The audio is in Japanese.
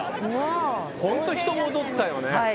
本当、人戻ったよね。